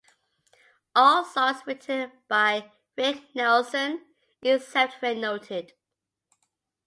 All songs written by Rick Nielsen, except where noted.